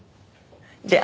じゃあ。